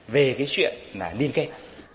về cái chuyện là liên kết